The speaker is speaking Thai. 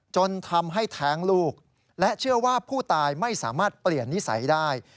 จนทำให้แท้งลูกและเชื่อว่าผู้ตายไม่สามารถเปลี่ยนนิสัยได้